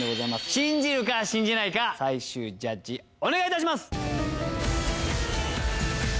信じるか信じないか最終ジャッジお願いいたします。